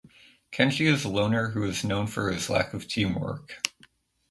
Kenji is a loner who is known for his lack of teamwork.